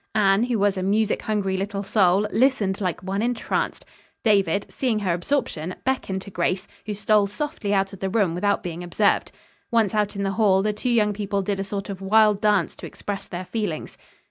Anne, who was a music hungry little soul, listened like one entranced. David, seeing her absorption, beckoned to Grace, who stole softly out of the room without being observed. Once out in the hall the two young people did a sort of wild dance to express their feelings.